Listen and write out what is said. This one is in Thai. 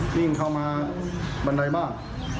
วิ่งเข้ามาบันไดบ้าน